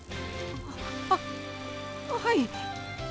あははい。